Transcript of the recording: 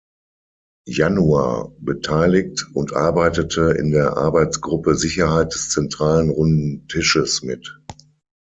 Januar“ beteiligt und arbeitete in der Arbeitsgruppe Sicherheit des Zentralen Runden Tisches mit.